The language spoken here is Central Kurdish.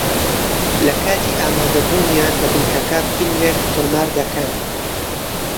لە کاتی ئامادەبوونیان لە بنکەکە فیلمێک تۆمار دەکەن